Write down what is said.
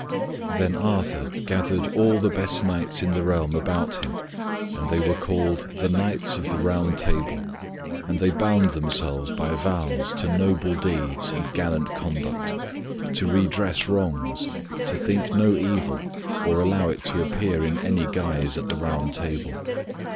Then Arthur gathered all the best knights in the realm about him and they were called "the Knights of the Round Table" and they bound themselves by vows to noble deeds and gallant conduct, to redress wrongs, to think no evil or allow it to appear in any guise at the Round Table.